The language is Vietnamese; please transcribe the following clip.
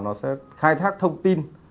nó sẽ khai thác thông tin